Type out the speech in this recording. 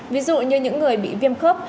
ví dụ như những người bị viêm khớp